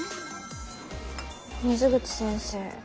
水口先生